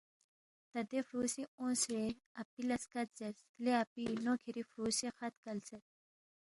تا دے فُرو سی اونگسے اپی لہ سکت زیرس، لے اپی نو کِھری فُرو سی خط کلسید